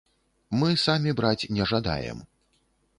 Мы самі браць не жадаем.